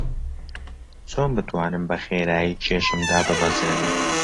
چۆن بتوانم بەخێرایی کێشم داببەزێنم؟